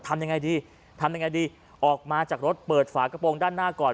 ทำยังไงดีทำยังไงดีออกมาจากรถเปิดฝากระโปรงด้านหน้าก่อน